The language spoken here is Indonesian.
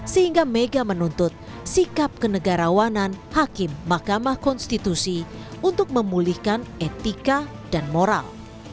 sehingga mega menuntut sikap kenegarawanan hakim mahkamah konstitusi untuk memulihkan etika dan moral